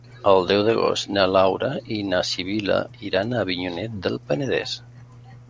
El deu d'agost na Laura i na Sibil·la iran a Avinyonet del Penedès.